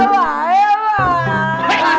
apaan ya pak